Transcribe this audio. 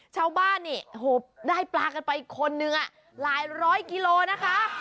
ชาวบ้านนี่ได้ปลากันไปคนนึงหลายร้อยกิโลนะคะ